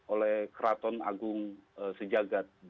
oleh keraton agung sejagat